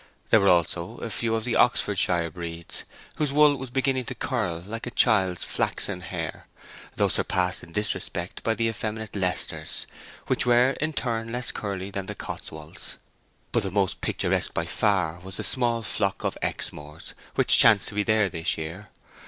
There were also a few of the Oxfordshire breed, whose wool was beginning to curl like a child's flaxen hair, though surpassed in this respect by the effeminate Leicesters, which were in turn less curly than the Cotswolds. But the most picturesque by far was a small flock of Exmoors, which chanced to be there this year.